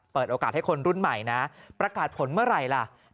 เปิดโอกาสให้คนรุ่นใหม่นะประกาศผลเมื่อไหร่ล่ะ